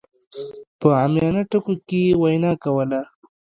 په عاميانه ټکو کې يې وينا کوله.